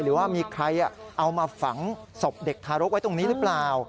หรือว่ามีใครเอามาฝังศพเด็กทารกไว้ตรงนี้หรือเปล่า